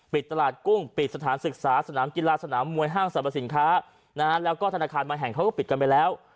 ตลาดกุ้งปิดสถานศึกษาสนามกีฬาสนามมวยห้างสรรพสินค้านะฮะแล้วก็ธนาคารบางแห่งเขาก็ปิดกันไปแล้ว